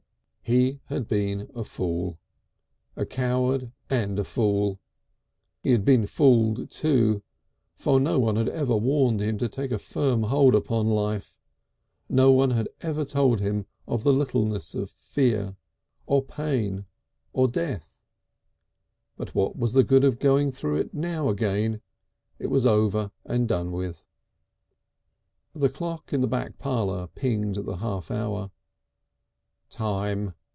He had been a fool, a coward and a fool, he had been fooled too, for no one had ever warned him to take a firm hold upon life, no one had ever told him of the littleness of fear, or pain, or death; but what was the good of going through it now again? It was over and done with. The clock in the back parlour pinged the half hour. "Time!"